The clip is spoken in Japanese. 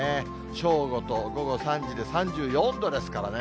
正午と午後３時で３４度ですからね。